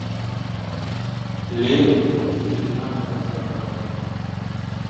Lê ji bîr nabe dewsa xeberan.